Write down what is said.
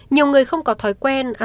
nhiều người không có thói quen ăn sáng